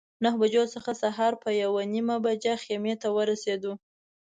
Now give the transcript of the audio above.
نهه بجو څخه سهار په یوه نیمه بجه خیمې ته ورسېدو.